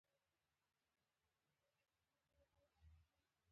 افغانستان به کله پرمختللی هیواد شي؟